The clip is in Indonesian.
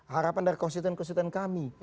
harapan dari konstituen konstituen kami